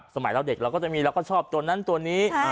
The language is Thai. สมัยเราเด็กเราก็จะมีเราก็ชอบตัวนั้นตัวนี้